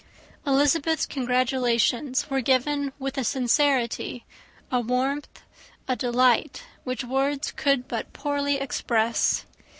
Elizabeth's congratulations were given with a sincerity, a warmth, a delight, which words could but poorly express.